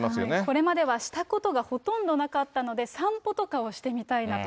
これまではしたことがほとんどなかったので、散歩とかをしてみたいなと。